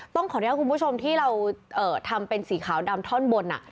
ต้องขออนุญาตคุณผู้ชมที่เราทำเป็นสีขาวดำท่อนบน